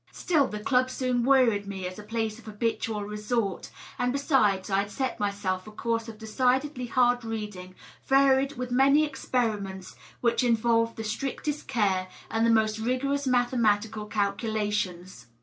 Still, the club soon wearied me as a place of habitual resort, and besides I had set myself a course of decidedly hard reading, varied with many experiments which involved the strictest care and the most rigorous mathematical calculations.